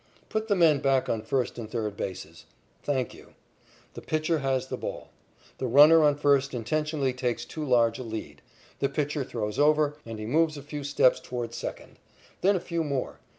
Put the men back on first and third bases. Thank you. The pitcher has the ball. The runner on first intentionally takes too large a lead. The pitcher throws over, and he moves a few steps toward second. Then a few more.